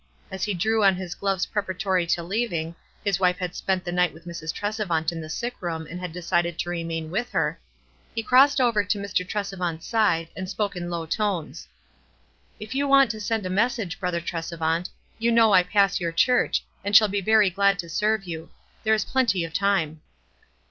As he drew on his gloves preparatory to leaving — bis wife had spent the night with Mrs. Tresevant in the sick room, and had decided to remain with her, — he crossed over to Mr. Tresevant's side, and spoke in low tones, — "If you want to send a message, Brother Tresevant, you know I pass your church, and shall be very glad to servo you. There is plenty of time."